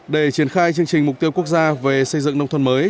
để triển khai chương trình mục tiêu quốc gia về xây dựng nông thôn mới